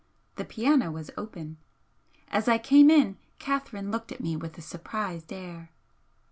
The piano was open. As I came in Catherine looked at me with a surprised air.